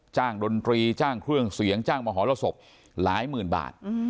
ดนตรีจ้างเครื่องเสียงจ้างมหรสบหลายหมื่นบาท